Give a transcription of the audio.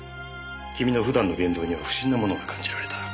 君の普段の言動には不審なものが感じられた。